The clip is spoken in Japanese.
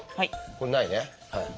これないね。